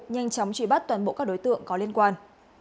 nhanh chóng truy bắt toàn bộ các đối tượng có liên quan